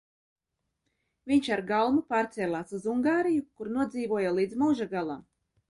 Viņš ar galmu pārcēlās uz Ungāriju, kur nodzīvoja līdz mūža galam.